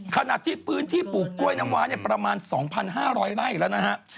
ขณะที่พื้นที่ปลูกกล้วยน้ำว้าเนี่ยประมาณ๒๕๐๐ไร่แล้วนะฮะ